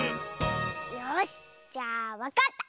よしじゃあわかった！